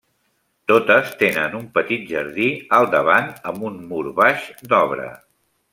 Totes tenen un petit jardí al davant amb un mur baix d'obra.